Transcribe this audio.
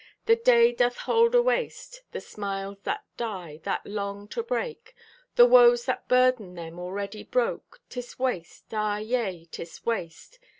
The day doth hold o' waste. The smiles that die, that long to break, The woes that burden them already broke, 'Tis waste, ah yea, 'tis waste.